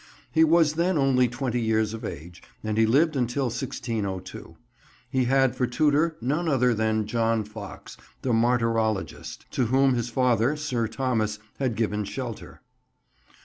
He was then only twenty years of age, and he lived until 1602. He had for tutor none other than John Foxe, the martyrologist, to whom his father, Sir Thomas, had given shelter.